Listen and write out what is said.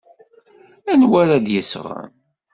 Anwa ara d-yesɣen?